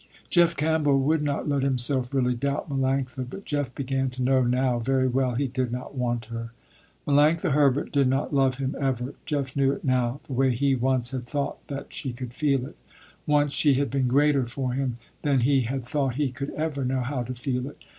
Jeff Campbell would not let himself really doubt Melanctha, but Jeff began to know now very well, he did not want her. Melanctha Herbert did not love him ever, Jeff knew it now, the way he once had thought that she could feel it. Once she had been greater for him than he had thought he could ever know how to feel it.